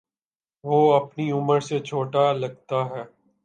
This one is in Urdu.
وہ اپنی عمر سے چھوٹا لگتا ہے